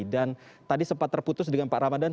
dan tadi sempat terputus dengan pak ramadhan